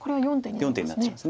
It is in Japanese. ４手になってしまいます。